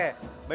hai apa kabar